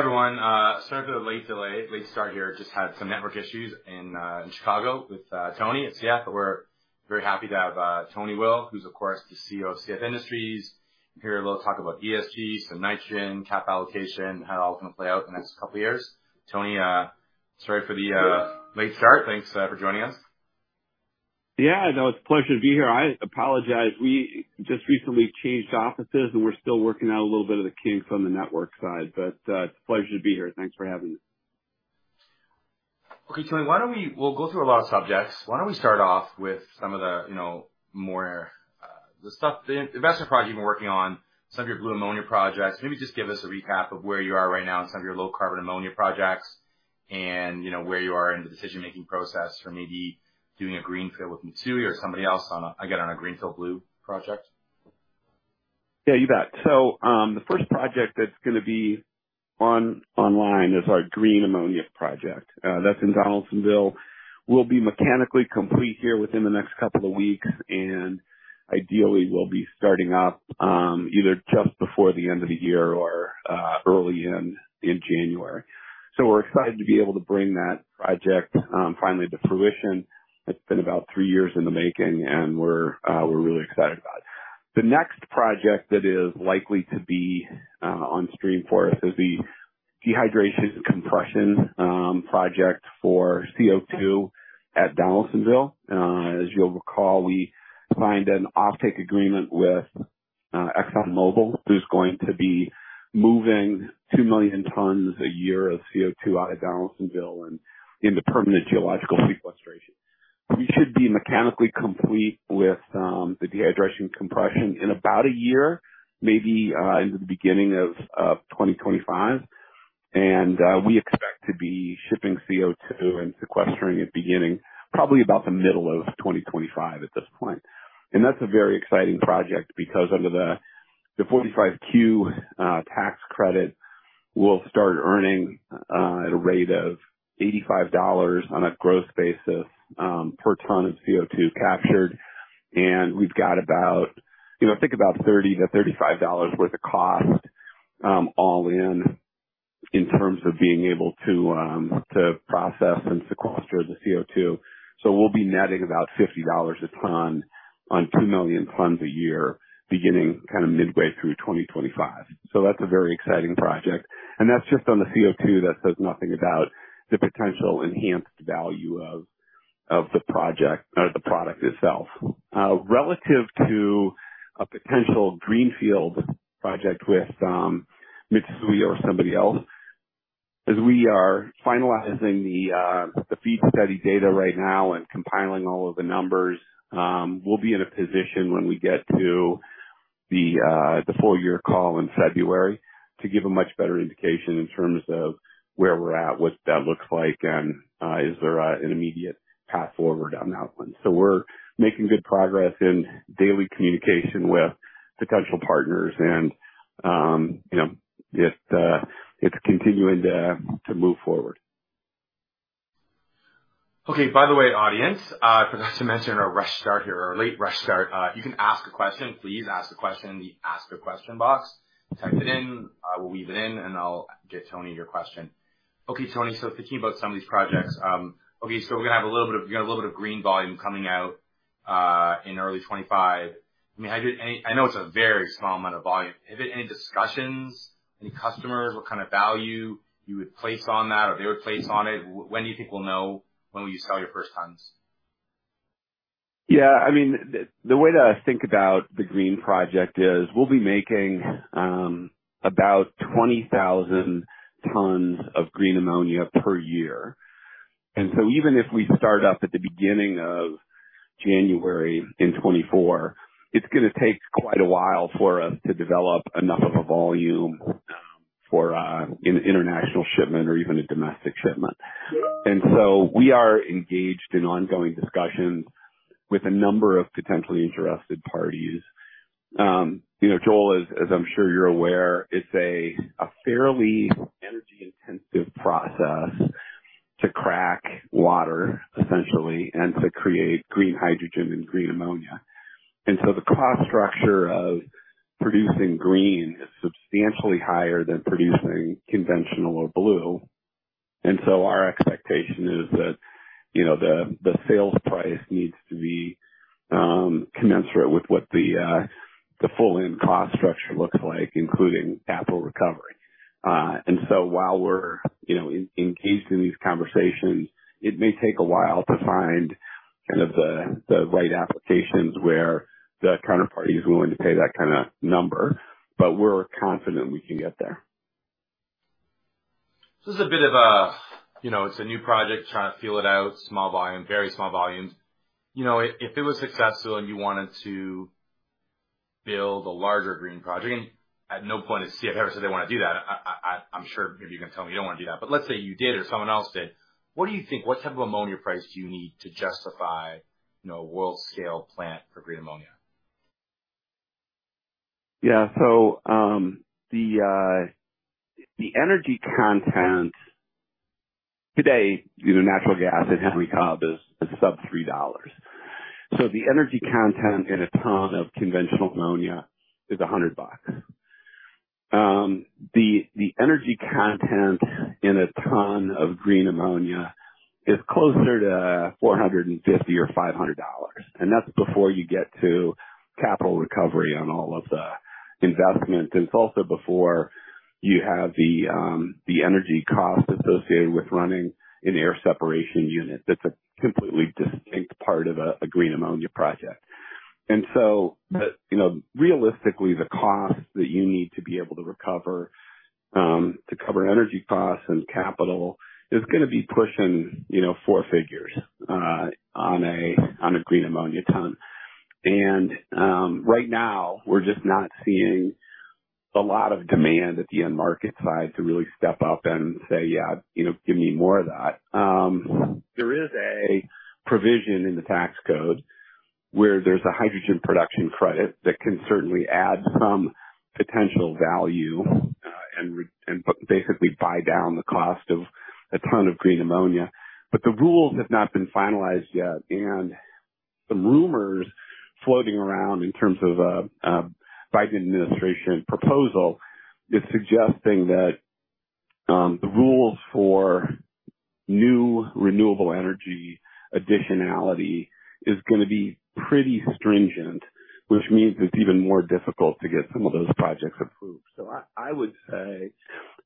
Hey, everyone. Sorry for the late delay, late start here. Just had some network issues in Chicago with Tony at CF, but we're very happy to have Tony Will, who's, of course, the CEO of CF Industries. Here, we'll talk about ESG, some nitrogen, cap allocation, how it all gonna play out in the next couple of years. Tony, sorry for the late start. Thanks for joining us. Yeah, no, it's a pleasure to be here. I apologize. We just recently changed offices, and we're still working out a little bit of the kinks on the network side, but it's a pleasure to be here. Thanks for having me. Okay, Tony, why don't we. We'll go through a lot of subjects. Why don't we start off with some of the, you know, more, the stuff, the investment projects you've been working on, some of your blue ammonia projects? Maybe just give us a recap of where you are right now in some of your low-carbon ammonia projects and, you know, where you are in the decision-making process for maybe doing a greenfield with Mitsui or somebody else on a, again, on a greenfield blue project. Yeah, you bet. So, the first project that's gonna be online is our green ammonia project. That's in Donaldsonville. We'll be mechanically complete here within the next couple of weeks, and ideally, we'll be starting up either just before the end of the year or early in January. So we're excited to be able to bring that project finally to fruition. It's been about three years in the making, and we're really excited about it. The next project that is likely to be on stream for us is the dehydration and compression project for CO2 at Donaldsonville. As you'll recall, we signed an offtake agreement with ExxonMobil, who's going to be moving 2 million tons a year of CO2 out of Donaldsonville and into permanent geological sequestration. We should be mechanically complete with the dehydration compression in about a year, maybe, in the beginning of 2025. And we expect to be shipping CO2 and sequestering it, beginning probably about the middle of 2025 at this point. And that's a very exciting project because under the 45Q tax credit, we'll start earning at a rate of $85 on a gross basis per ton of CO2 captured. And we've got about, you know, I think about $30-$35 worth of cost, all in, in terms of being able to process and sequester the CO2. So we'll be netting about $50 a ton on 2 million tons a year, beginning kind of midway through 2025. So that's a very exciting project, and that's just on the CO2. That says nothing about the potential enhanced value of the project or the product itself. Relative to a potential greenfield project with Mitsui or somebody else, as we are finalizing the FEED study data right now and compiling all of the numbers, we'll be in a position when we get to the full year call in February to give a much better indication in terms of where we're at, what that looks like, and is there an immediate path forward on that one. So we're making good progress in daily communication with potential partners and, you know, it continuing to move forward. Okay. By the way, audience, I forgot to mention in our rush start here or late rush start, you can ask a question. Please ask a question in the ask a question box. Type it in, I will weave it in, and I'll get Tony your question. Okay, Tony, so thinking about some of these projects, okay, so we're gonna have a little bit of, you got a little bit of green volume coming out, in early 2025. I mean, how did any... I know it's a very small amount of volume. Have there been any discussions, any customers? What kind of value you would place on that or you would place on it? When do you think we'll know when you sell your first tons? Yeah. I mean, the way that I think about the green project is we'll be making about 20,000 tons of green ammonia per year. And so even if we start up at the beginning of January in 2024, it's gonna take quite a while for us to develop enough of a volume for an international shipment or even a domestic shipment. And so we are engaged in ongoing discussions with a number of potentially interested parties. You know, Joel, as I'm sure you're aware, it's a fairly energy-intensive process to crack water, essentially, and to create green hydrogen and green ammonia. And so the cost structure of producing green is substantially higher than producing conventional or blue. So our expectation is that, you know, the sales price needs to be commensurate with what the full end cost structure looks like, including capital recovery. While we're, you know, engaged in these conversations, it may take a while to find kind of the right applications where the counterparty is willing to pay that kind of number, but we're confident we can get there. So this is a bit of a, you know, it's a new project, trying to feel it out, small volume, very small volumes. You know, if it was successful and you wanted to build a larger green project, at no point has CF ever said they want to do that. I'm sure maybe you can tell me you don't want to do that, but let's say you did or someone else did. What do you think? What type of ammonia price do you need to justify, you know, a world-scale plant for green ammonia? Yeah. So, today, you know, natural gas in Henry Hub is sub $3. So the energy content in a ton of conventional ammonia is $100. The energy content in a ton of green ammonia is closer to $450 or $500, and that's before you get to capital recovery on all of the investment. It's also before you have the energy costs associated with running an air separation unit. That's a completely distinct part of a green ammonia project. And so, you know, realistically, the cost that you need to be able to recover, to cover energy costs and capital, is gonna be pushing, you know, four figures, on a green ammonia ton. Right now, we're just not seeing a lot of demand at the end market side to really step up and say, "Yeah, you know, give me more of that." There is a provision in the tax code where there's a hydrogen production credit that can certainly add some potential value, and basically buy down the cost of a ton of green ammonia. But the rules have not been finalized yet, and some rumors floating around in terms of, Biden administration proposal, is suggesting that, the rules for new renewable energy additionality is gonna be pretty stringent, which means it's even more difficult to get some of those projects approved. So I would say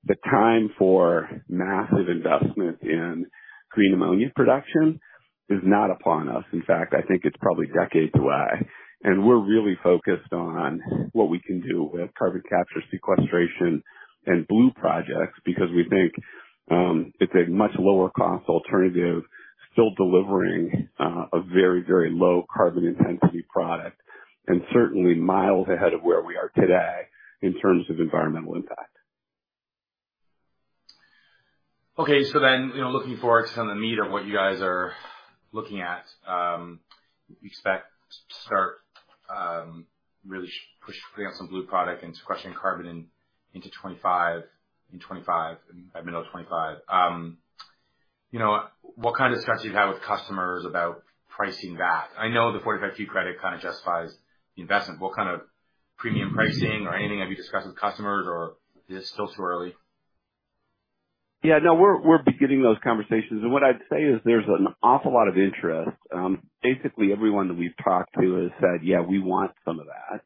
the time for massive investment in green ammonia production is not upon us. In fact, I think it's probably decades away, and we're really focused on what we can do with carbon capture sequestration and blue projects, because we think, it's a much lower cost alternative, still delivering, a very, very low carbon intensity product, and certainly miles ahead of where we are today in terms of environmental impact. Okay. So then, you know, looking forward to some of the meat of what you guys are looking at, you expect to start really putting out some blue product and sequestering carbon into 2025, in 2025 and by middle of 2025. You know, what kind of discussions do you have with customers about pricing that? I know the 45Q credit kind of justifies the investment. What kind of premium pricing or anything have you discussed with customers, or is it still too early? Yeah, no, we're beginning those conversations. And what I'd say is there's an awful lot of interest. Basically, everyone that we've talked to has said, "Yeah, we want some of that."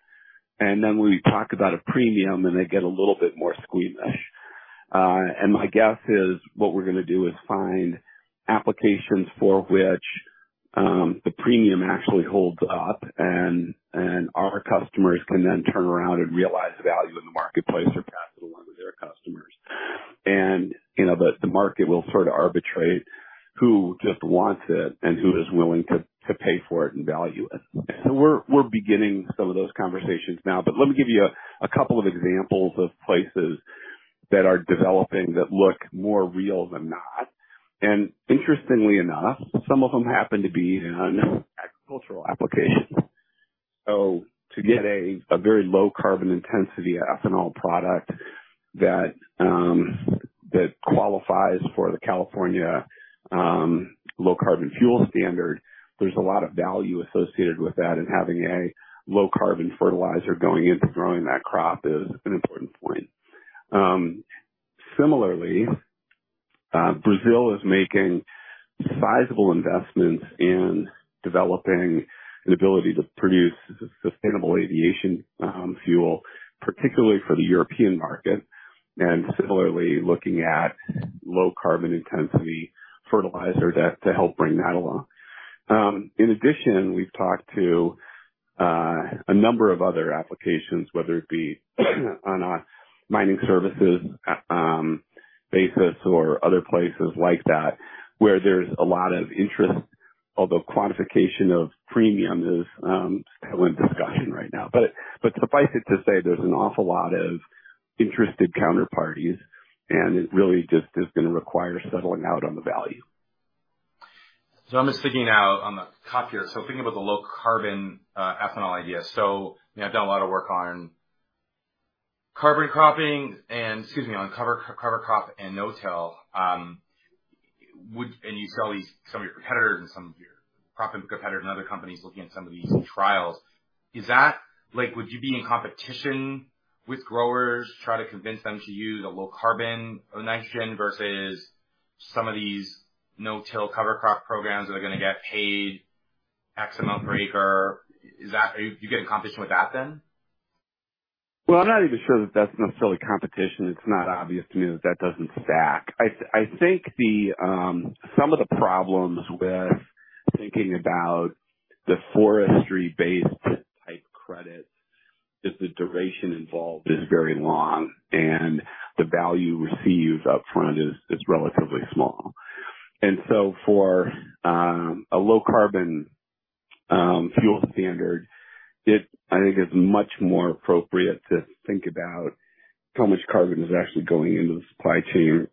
And then when we talk about a premium, then they get a little bit more squeamish. And my guess is what we're gonna do is find applications for which the premium actually holds up, and our customers can then turn around and realize the value in the marketplace or pass it along with their customers. And, you know, but the market will sort of arbitrate who just wants it and who is willing to pay for it and value it. So we're beginning some of those conversations now, but let me give you a couple of examples of places that are developing that look more real than not. Interestingly enough, some of them happen to be in an agricultural application. So to get a very low carbon intensity ethanol product that qualifies for the California Low Carbon Fuel Standard, there's a lot of value associated with that, and having a low carbon fertilizer going into growing that crop is an important point. Similarly, Brazil is making sizable investments in developing an ability to produce sustainable aviation fuel, particularly for the European market, and similarly looking at low-carbon-intensity fertilizer to help bring that along. In addition, we've talked to a number of other applications, whether it be on a mining services basis or other places like that, where there's a lot of interest, although quantification of premium is still in discussion right now. But suffice it to say, there's an awful lot of interested counterparties, and it really just is gonna require settling out on the value. So I'm just thinking out on the top here. So thinking about the low-carbon, ethanol idea. So, you know, I've done a lot of work on carbon cropping and... Excuse me, on cover crop and no-till. And you saw these, some of your competitors, and some of your crop competitors, and other companies looking at some of these trials. Is that, like, would you be in competition with growers to try to convince them to use a low-carbon nitrogen, versus some of these no-till cover crop programs that are gonna get paid X amount per acre? Is that, are you getting competition with that then? Well, I'm not even sure that that's necessarily competition. It's not obvious to me that that doesn't stack. I think some of the problems with thinking about the forestry-based type credits is the duration involved is very long, and the value received upfront is relatively small. And so for a Low Carbon Fuel Standard, it, I think, is much more appropriate to think about how much carbon is actually going into the supply chain,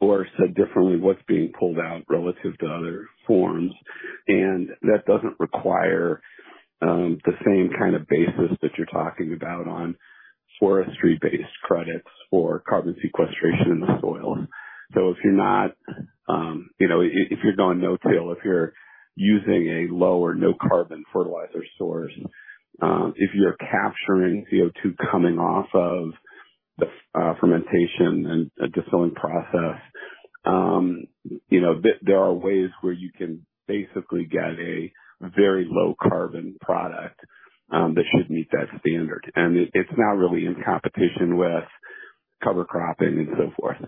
or said differently, what's being pulled out relative to other forms. And that doesn't require the same kind of basis that you're talking about forestry-based credits for carbon sequestration in the soil. So if you're not, you know, if you're going no-till, if you're using a low or no carbon fertilizer source, if you're capturing CO2 coming off of the fermentation and distilling process, you know, there are ways where you can basically get a very low carbon product, that should meet that standard. And it's not really in competition with cover cropping and so forth.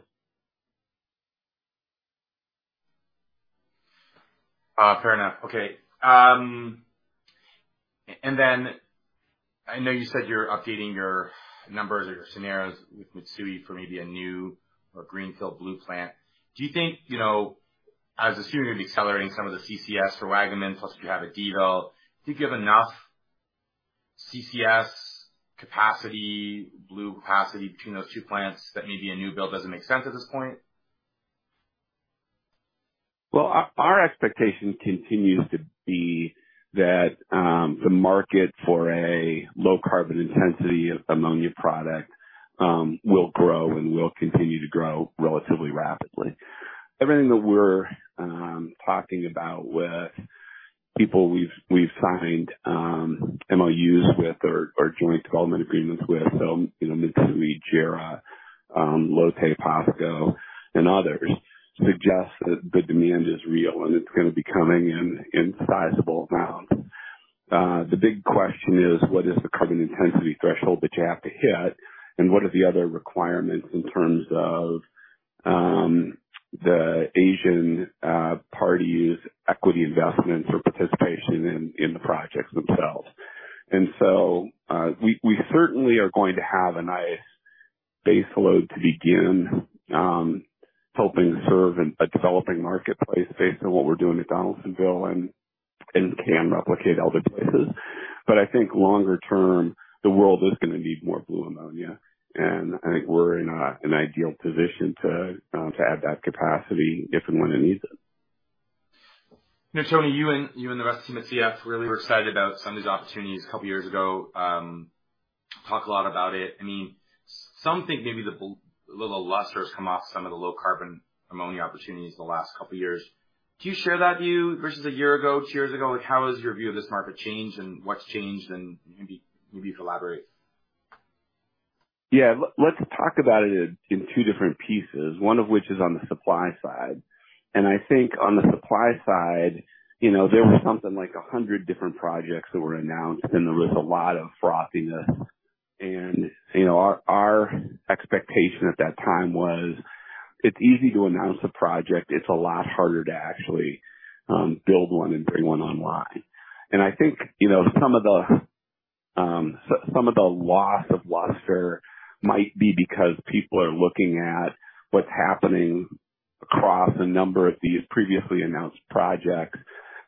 Fair enough. Okay. And then I know you said you're updating your numbers or your scenarios with Mitsui for maybe a new or greenfield blue plant. Do you think, you know, as assuming you're accelerating some of the CCS for Waggaman, plus you have Donaldsonville, do you have enough CCS capacity, blue capacity between those two plants that maybe a new build doesn't make sense at this point? Well, our expectation continues to be that the market for a low-carbon-intensity of ammonia product will grow and will continue to grow relatively rapidly. Everything that we're talking about with people we've signed MOUs with or joint development agreements with, so, you know, Mitsui, JERA, Lotte, POSCO and others, suggest that the demand is real and it's going to be coming in in sizable amounts. The big question is: what is the carbon intensity threshold that you have to hit? And what are the other requirements in terms of the Asian parties' equity investment for participation in the projects themselves? And so, we certainly are going to have a nice baseload to begin helping serve a developing marketplace based on what we're doing at Donaldsonville and can replicate other places. But I think longer term, the world is going to need more blue ammonia, and I think we're in an ideal position to add that capacity if and when it needs it. You know, Tony, you and the rest of the team at CF really were excited about some of these opportunities a couple years ago. Talk a lot about it. I mean, some think maybe the little luster has come off some of the low carbon ammonia opportunities in the last couple of years. Do you share that view versus a year ago, two years ago? Like, how has your view of this market changed and what's changed? And maybe you elaborate. Yeah, let's talk about it in two different pieces, one of which is on the supply side. And I think on the supply side, you know, there was something like 100 different projects that were announced, and there was a lot of frothiness. And, you know, our expectation at that time was, it's easy to announce a project. It's a lot harder to actually build one and bring one online. And I think, you know, some of the loss of luster might be because people are looking at what's happening across a number of these previously announced projects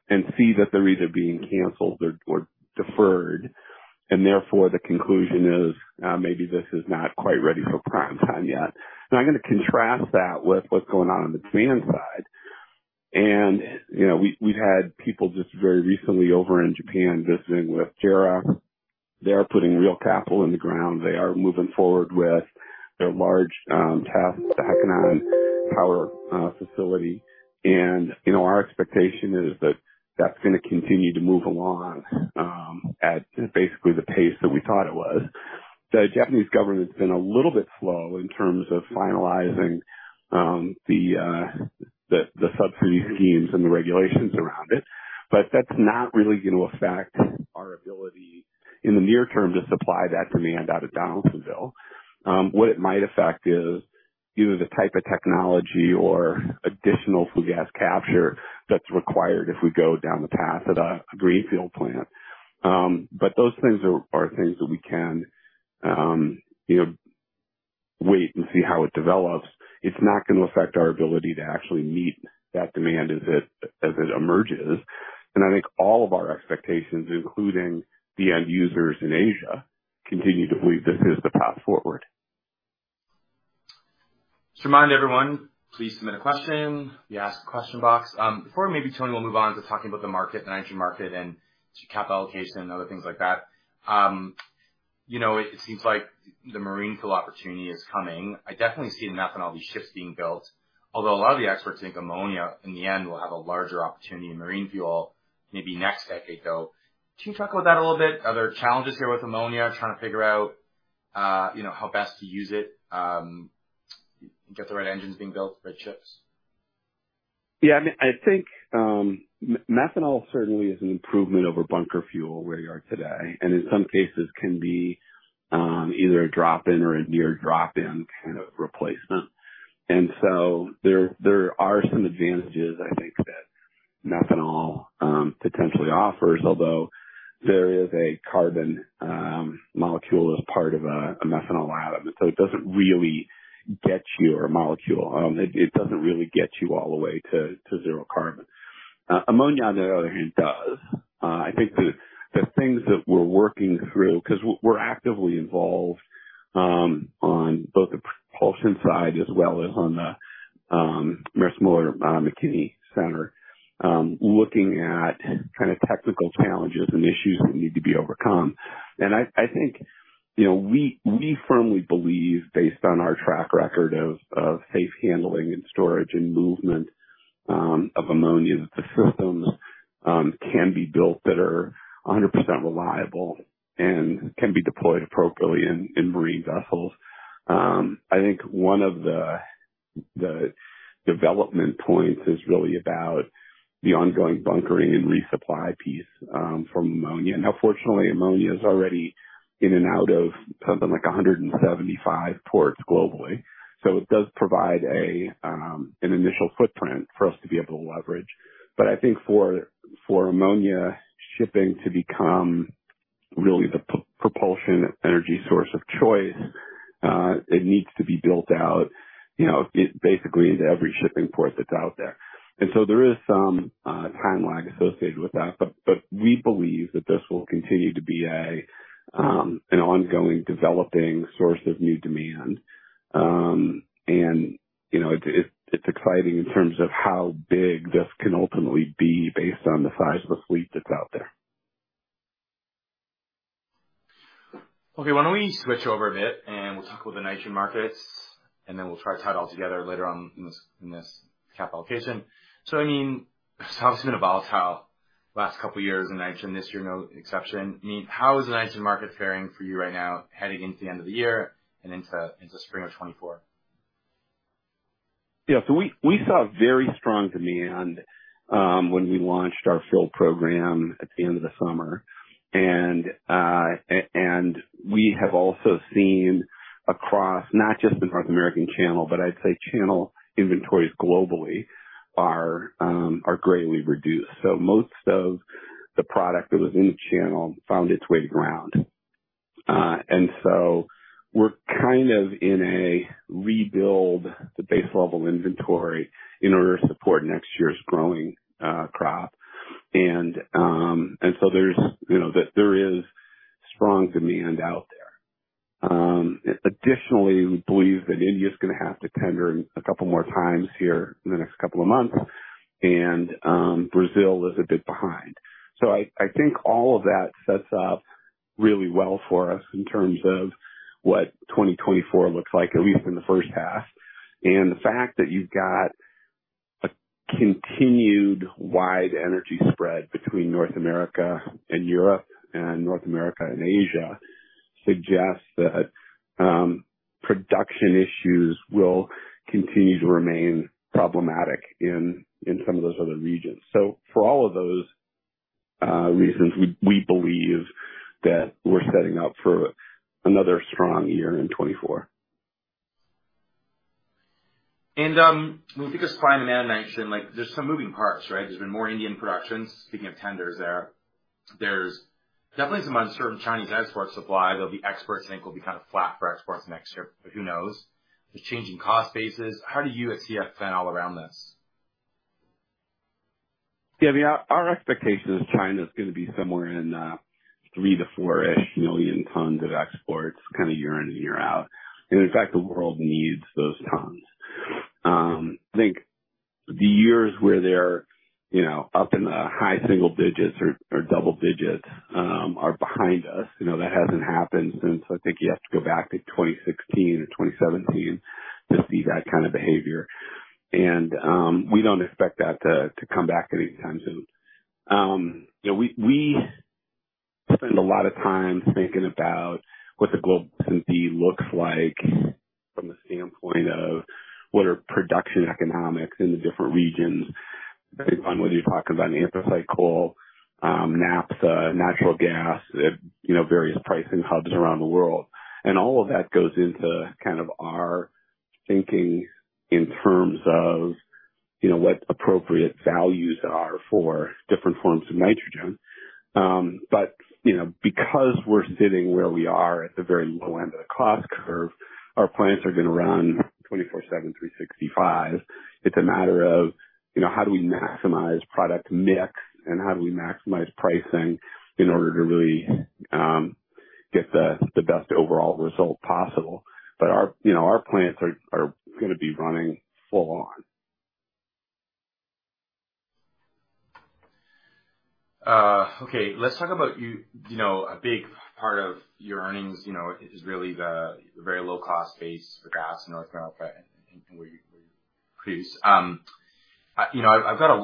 and see that they're either being canceled or deferred, and therefore, the conclusion is, maybe this is not quite ready for prime time yet. Now, I'm going to contrast that with what's going on on the demand side. You know, we've had people just very recently over in Japan visiting with JERA. They are putting real capital in the ground. They are moving forward with their large-scale Hekinan power facility. You know, our expectation is that that's going to continue to move along at basically the pace that we thought it was. The Japanese government has been a little bit slow in terms of finalizing the subsidy schemes and the regulations around it. But that's not really going to affect our ability in the near term to supply that demand out of Donaldsonville. What it might affect is either the type of technology or additional flue gas capture that's required if we go down the path of the greenfield plant. But those things are things that we can, you know, wait and see how it develops. It's not going to affect our ability to actually meet that demand as it emerges. And I think all of our expectations, including the end users in Asia, continue to believe this is the path forward. Just remind everyone, please submit a question. You ask a question box. Before, maybe, Tony, we'll move on to talking about the market, the Ag market, and capital allocation and other things like that. You know, it seems like the marine fuel opportunity is coming. I definitely see it methanol, all these ships being built, although a lot of the experts think ammonia in the end, will have a larger opportunity in marine fuel, maybe next decade, though. Can you talk about that a little bit? Are there challenges here with ammonia, trying to figure out, you know, how best to use it? Get the right engines being built for the ships. Yeah, I mean, I think, methanol certainly is an improvement over bunker fuel where you are today, and in some cases can be, either a drop-in or a near drop-in kind of replacement. And so there, there are some advantages, I think, that methanol, potentially offers, although there is a carbon, molecule as part of a, a methanol atom, so it doesn't really get you a molecule. It, it doesn't really get you all the way to, to zero carbon. Ammonia, on the other hand, does. I think the, the things that we're working through, because we're actively involved, on both the propulsion side as well as on the-... Maersk Mc-Kinney Moller Center, looking at kind of technical challenges and issues that need to be overcome. I think, you know, we firmly believe, based on our track record of safe handling and storage and movement of ammonia, that the systems can be built that are 100% reliable and can be deployed appropriately in marine vessels. I think one of the development points is really about the ongoing bunkering and resupply piece from ammonia. Now, fortunately, ammonia is already in and out of something like 175 ports globally, so it does provide an initial footprint for us to be able to leverage. But I think for ammonia shipping to become really the propulsion energy source of choice, it needs to be built out, you know, basically into every shipping port that's out there. And so there is some time lag associated with that, but we believe that this will continue to be an ongoing developing source of new demand. And, you know, it it's exciting in terms of how big this can ultimately be based on the size of the fleet that's out there. Okay. Why don't we switch over a bit and we'll talk about the nitrogen markets, and then we'll try to tie it all together later on in this, in this capital case? So, I mean, it's obviously been a volatile last couple of years in nitrogen this year, no exception. I mean, how is the nitrogen market faring for you right now, heading into the end of the year and into spring of 2024? Yeah. So we saw very strong demand when we launched our full program at the end of the summer. And we have also seen across, not just the North American channel, but I'd say channel inventories globally are greatly reduced. So most of the product that was in the channel found its way to ground. And so we're kind of in a rebuild the base level inventory in order to support next year's growing crop. And so there's, you know, there is strong demand out there. Additionally, we believe that India is gonna have to tender a couple more times here in the next couple of months, and Brazil is a bit behind. So I think all of that sets up really well for us in terms of what 2024 looks like, at least in the first half. The fact that you've got a continued wide energy spread between North America and Europe and North America and Asia suggests that production issues will continue to remain problematic in some of those other regions. So for all of those reasons, we believe that we're setting up for another strong year in 2024. When we think of supply and demand, nitrogen, like, there's some moving parts, right? There's been more Indian productions, speaking of tenders there. There's definitely some uncertain Chinese export supply, though the experts think will be kind of flat for exports next year, but who knows? The changing cost bases. How do you at CF plan all around this? Yeah, I mean, our expectation is China is gonna be somewhere in 3 million-4 million tons of exports, kind of year in and year out. And in fact, the world needs those tons. I think the years where they're up in the high single digits or double digits are behind us. You know, that hasn't happened since I think you have to go back to 2016 or 2017 to see that kind of behavior. And we don't expect that to come back anytime soon. You know, we spend a lot of time thinking about what the global density looks like from the standpoint of what are production economics in the different regions, depending on whether you're talking about anthracite coal, naphtha, natural gas, you know, various pricing hubs around the world. And all of that goes into kind of our thinking in terms of, you know, what appropriate values are for different forms of nitrogen. But, you know, because we're sitting where we are at the very low end of the cost curve, our plants are gonna run 24/7, 365. It's a matter of, you know, how do we maximize product mix and how do we maximize pricing in order to really get the best overall result possible. But our, you know, our plants are gonna be running full on. Okay. Let's talk about you... You know, a big part of your earnings, you know, is really the very low-cost base for gas in North America, and where you, where you produce. You know,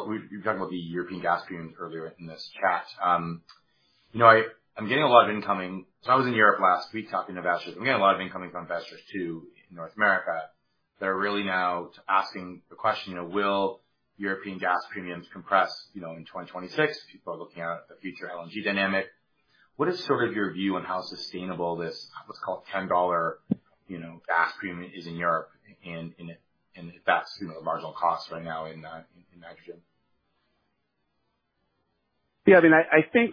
we've talked about the European gas premiums earlier in this chat. You know, I'm getting a lot of incoming. So I was in Europe last week talking to investors. We're getting a lot of incoming from investors, too, in North America. They're really now asking the question, you know: Will European gas premiums compress, you know, in 2026? People are looking at the future LNG dynamic. What is sort of your view on how sustainable this, what's called $10, you know, gas premium, is in Europe, and if that's, you know, the marginal cost right now in nitrogen? Yeah, I mean, I think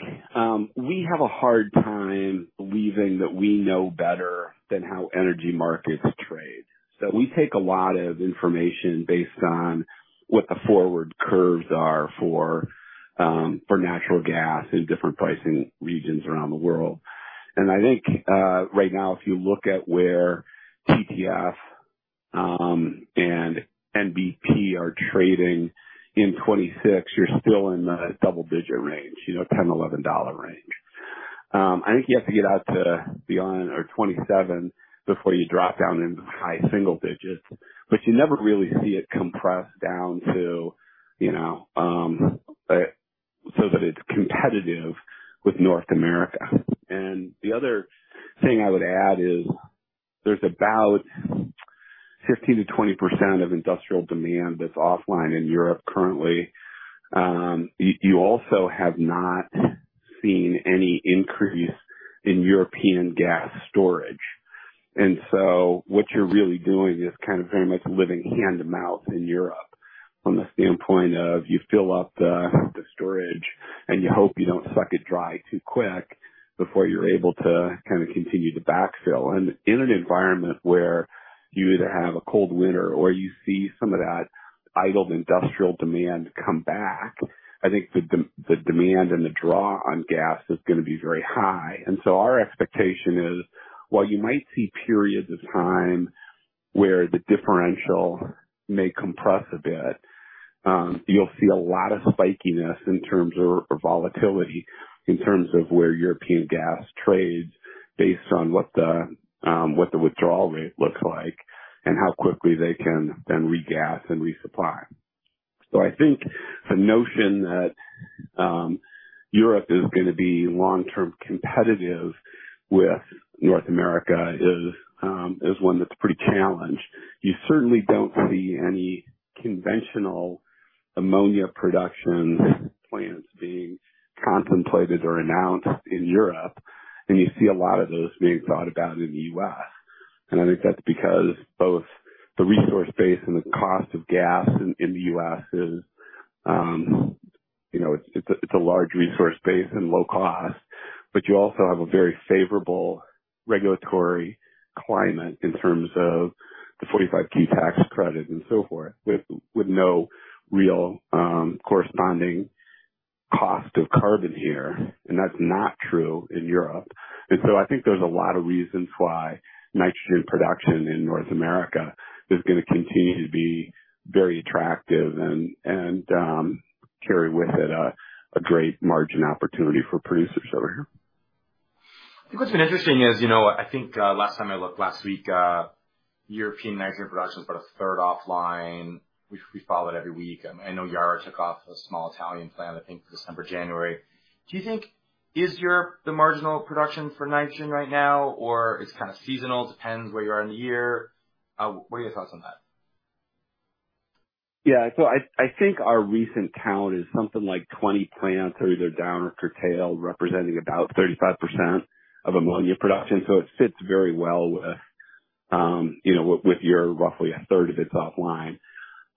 we have a hard time believing that we know better than how energy markets trade. So we take a lot of information based on what the forward curves are for natural gas in different pricing regions around the world. And I think right now, if you look at where TTF and NBP are trading in 2026, you're still in the double-digit range, you know, $10-$11 range. I think you have to get out to beyond 2027 before you drop down into high single digits, but you never really see it compress down to, you know, so that it's competitive with North America. And the other thing I would add is there's about 15%-20% of industrial demand that's offline in Europe currently. You also have not seen any increase in European gas storage. So what you're really doing is kind of very much living hand to mouth in Europe from the standpoint of you fill up the storage, and you hope you don't suck it dry too quick before you're able to kind of continue to backfill. And in an environment where you either have a cold winter or you see some of that idled industrial demand come back, I think the demand and the draw on gas is gonna be very high. And so our expectation is, while you might see periods of time where the differential may compress a bit, you'll see a lot of spikiness in terms of volatility, in terms of where European gas trades, based on what the withdrawal rate looks like and how quickly they can then regas and resupply. So I think the notion that, Europe is gonna be long-term competitive with North America is, is one that's pretty challenged. You certainly don't see any conventional ammonia production plants being contemplated or announced in Europe, and you see a lot of those being thought about in the U.S. I think that's because both the resource base and the cost of gas in the U.S. is, you know, it's a large resource base and low cost, but you also have a very favorable regulatory climate in terms of the 45Q tax credit and so forth, with no real, corresponding cost of carbon here. That's not true in Europe. So I think there's a lot of reasons why nitrogen production in North America is gonna continue to be very attractive and, carry with it a great margin opportunity for producers over here. I think what's been interesting is, you know, I think, last time I looked last week, European nitrogen production is about a third offline. We, we follow it every week. I know Yara took off a small Italian plant, I think December, January. Do you think is Europe the marginal production for nitrogen right now, or it's kind of seasonal, depends where you are in the year? What are your thoughts on that? Yeah. So I, I think our recent count is something like 20 plants are either down or curtailed, representing about 35% of ammonia production. So it fits very well with, you know, with, with your roughly a third of it's offline. And,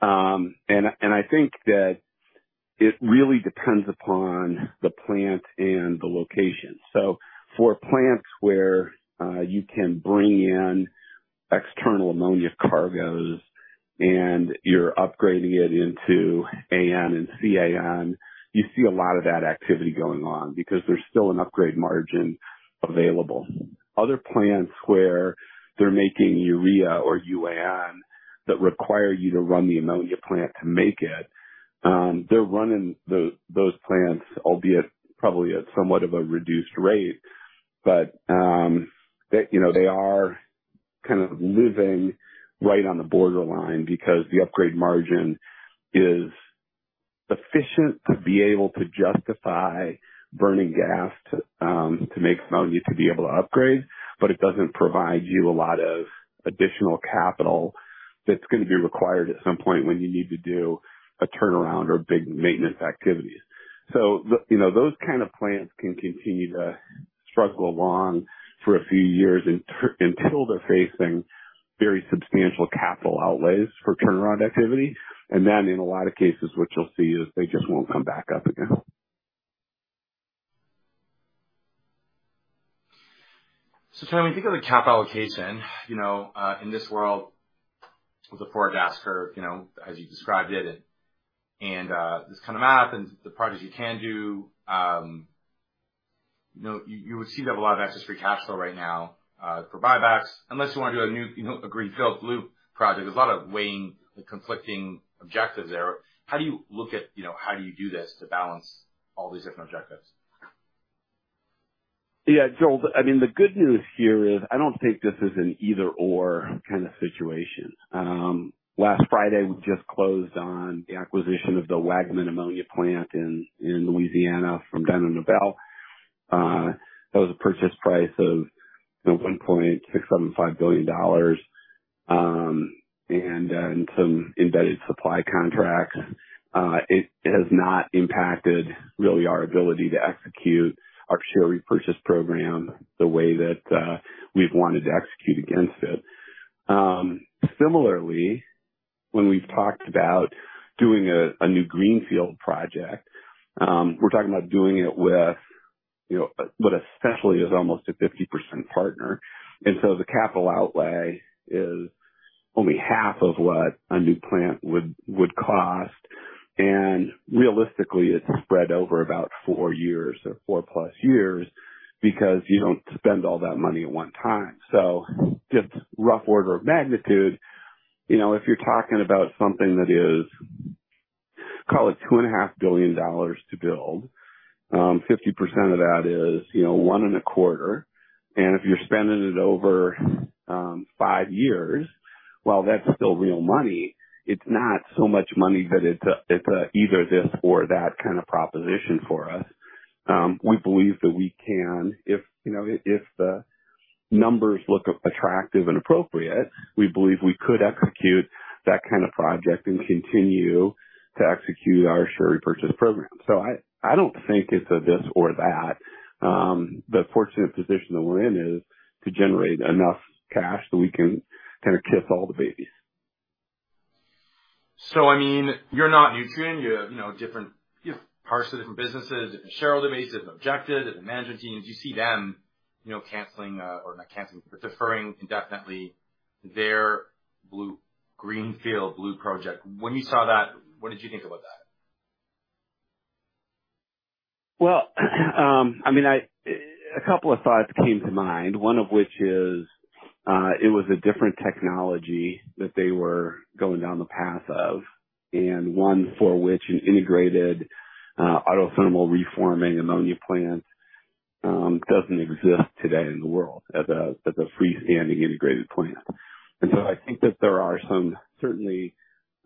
and I think that it really depends upon the plant and the location. So for plants where, you can bring in external ammonia cargos and you're upgrading it into AN and CAN, you see a lot of that activity going on because there's still an upgrade margin available. Other plants where they're making urea or UAN that require you to run the ammonia plant to make it, they're running those plants, albeit probably at somewhat of a reduced rate, but, they, you know, they are kind of living right on the borderline because the upgrade margin is sufficient to be able to justify burning gas to, to make ammonia, to be able to upgrade, but it doesn't provide you a lot of additional capital that's gonna be required at some point when you need to do a turnaround or big maintenance activities. So, you know, those kind of plants can continue to struggle along for a few years until they're facing very substantial capital outlays for turnaround activity. And then in a lot of cases, what you'll see is they just won't come back up again. So Tony, if you look at the cap allocation, you know, in this world with a forward ask curve, you know, as you described it, and this kind of math and the projects you can do, you know, you would seem to have a lot of excess free cash flow right now, for buybacks, unless you want to do a new, you know, a greenfield blue project. There's a lot of weighing the conflicting objectives there. How do you look at, you know, how do you do this to balance all these different objectives? Yeah, Joel, I mean, the good news here is I don't think this is an either/or kind of situation. Last Friday, we just closed on the acquisition of the Waggaman ammonia plant in Louisiana from Dow. That was a purchase price of, you know, $1.675 billion, and some embedded supply contracts. It has not impacted really our ability to execute our share repurchase program the way that we've wanted to execute against it. Similarly, when we've talked about doing a new greenfield project, we're talking about doing it with, you know, what essentially is almost a 50% partner. And so the capital outlay is only half of what a new plant would cost. Realistically, it's spread over about 4 years or 4+ years because you don't spend all that money at one time. Just rough order of magnitude, you know, if you're talking about something that is, call it $2.5 billion to build, 50% of that is, you know, $1.25 billion. And if you're spending it over 5 years, while that's still real money, it's not so much money that it's a, it's a either this or that kind of proposition for us. We believe that we can, if, you know, if the numbers look attractive and appropriate, we believe we could execute that kind of project and continue to execute our share repurchase program. I don't think it's a this or that. The fortunate position that we're in is to generate enough cash that we can kind of kiss all the babies. So I mean, you're not Nutrien. You're, you know, different parts of different businesses. Shareholders always has objected, and the management teams, you see them, you know, canceling or not canceling, deferring indefinitely their blue greenfield, blue project. When you saw that, what did you think about that? Well, I mean, a couple of thoughts came to mind, one of which is, it was a different technology that they were going down the path of, and one for which an integrated, autothermal reforming ammonia plant, doesn't exist today in the world as a freestanding integrated plant. And so I think that there are some, certainly,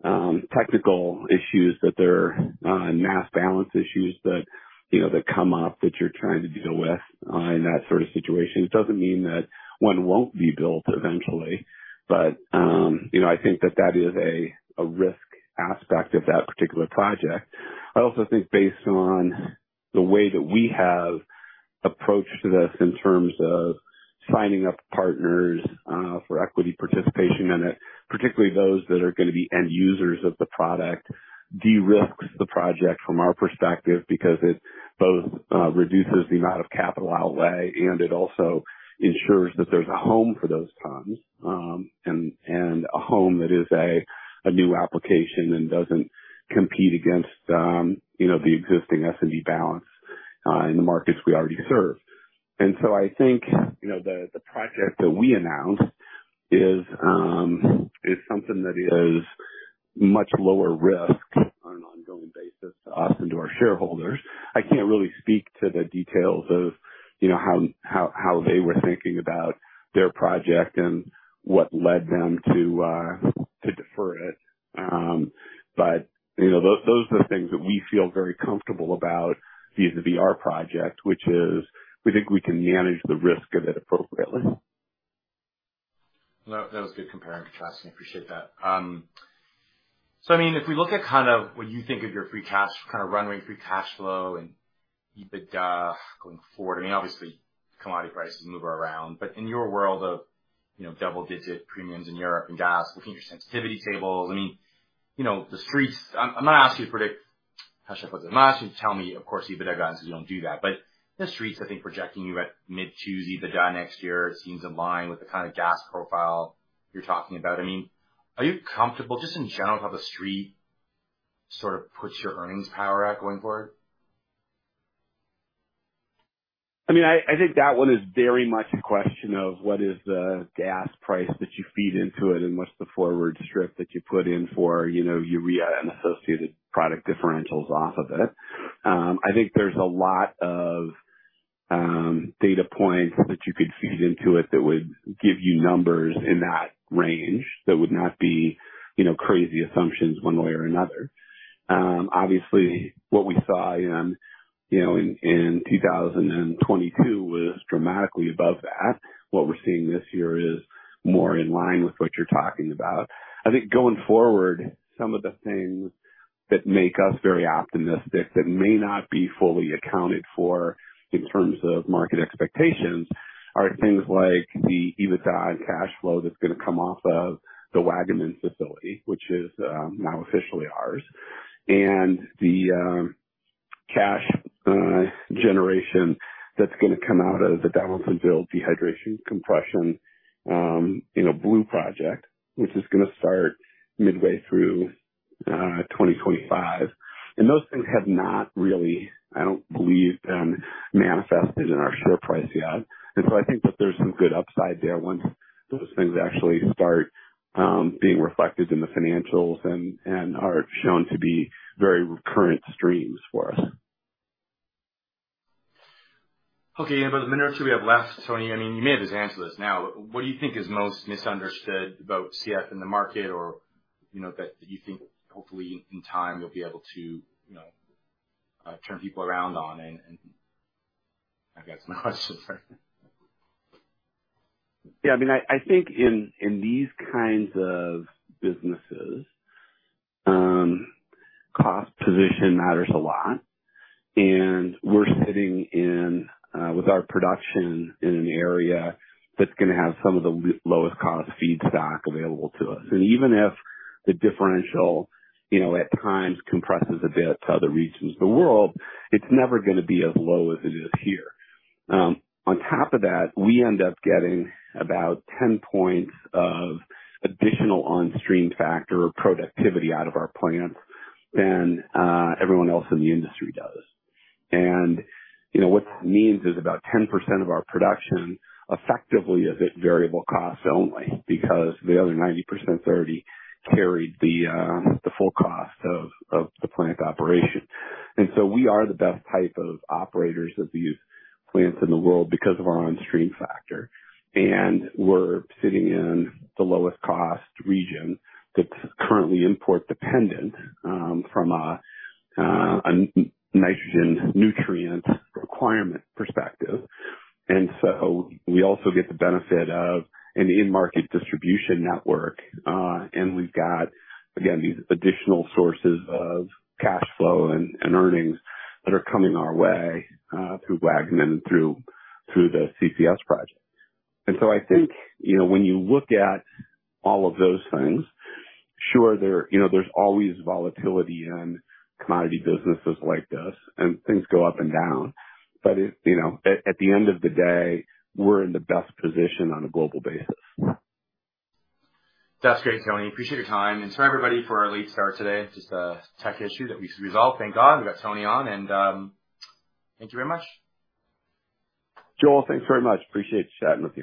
technical issues, that there are mass balance issues that, you know, that come up that you're trying to deal with in that sort of situation. It doesn't mean that one won't be built eventually, but, you know, I think that that is a risk aspect of that particular project. I also think based on the way that we have approached this in terms of signing up partners for equity participation in it, particularly those that are going to be end users of the product, derisks the project from our perspective because it both reduces the amount of capital outlay, and it also ensures that there's a home for those tons, and a home that is a new application and doesn't compete against, you know, the existing SMR balance in the markets we already serve. And so I think, you know, the project that we announced is something that is much lower risk on an ongoing basis to us and to our shareholders. I can't really speak to the details of, you know, how they were thinking about their project and what led them to defer it. But, you know, those are things that we feel very comfortable about vis-à-vis our project, which is we think we can manage the risk of it appropriately. That was good compare and contrast. I appreciate that. So I mean, if we look at kind of what you think of your free cash, kind of runway free cash flow and EBITDA going forward, I mean, obviously, commodity prices move around, but in your world of, you know, double digit premiums in Europe and gas, looking at your sensitivity tables, I mean, you know, the streets, I'm gonna ask you to predict, actually I'm not going to ask you to tell me, of course, EBITDA guidance, you don't do that. But the streets, I think, projecting you at mid-twos EBITDA next year seems in line with the kind of gas profile you're talking about. I mean, are you comfortable, just in general, how the street sort of puts your earnings power at going forward? I mean, I think that one is very much a question of what is the gas price that you feed into it and what's the forward strip that you put in for, you know, urea and associated product differentials off of it. I think there's a lot of data points that you could feed into it that would give you numbers in that range that would not be, you know, crazy assumptions one way or another. Obviously, what we saw in, you know, 2022 was dramatically above that. What we're seeing this year is more in line with what you're talking about. I think going forward, some of the things that make us very optimistic that may not be fully accounted for in terms of market expectations, are things like the EBITDA and cash flow that's going to come off of the Waggaman facility, which is now officially ours. The cash generation that's going to come out of the Donaldsonville dehydration compression, you know, blue project, which is going to start midway through 2025. Those things have not really, I don't believe, been manifested in our share price yet. And so I think that there's some good upside there once those things actually start being reflected in the financials and are shown to be very current streams for us. Okay. About a minute or two we have left, Tony. I mean, you may have just answered this. Now, what do you think is most misunderstood about CF in the market? Or, you know, that you think hopefully in time you'll be able to, you know, turn people around on it? And I guess my question, Yeah, I mean, I think in these kinds of businesses, cost position matters a lot. And we're sitting in with our production in an area that's going to have some of the lowest-cost feedstock available to us. And even if the differential, you know, at times compresses a bit to other regions of the world, it's never going to be as low as it is here. On top of that, we end up getting about 10 points of additional on-stream factor or productivity out of our plants than everyone else in the industry does. And you know, what this means is about 10% of our production effectively is at variable costs only because the other 90% already carried the full cost of the plant operation. We are the best type of operators of these plants in the world because of our on-stream factor. We're sitting in the lowest cost region that's currently import-dependent from a nitrogen nutrient requirement perspective. We also get the benefit of an in-market distribution network. And we've got, again, these additional sources of cash flow and earnings that are coming our way through Waggaman and through the CCS project. I think, you know, when you look at all of those things, sure, you know, there's always volatility in commodity businesses like this, and things go up and down. But, you know, at the end of the day, we're in the best position on a global basis. That's great, Tony. Appreciate your time. Sorry, everybody for our late start today. Just a tech issue that we resolved. Thank God we got Tony on and, thank you very much. Joel, thanks very much. Appreciate the chat with you.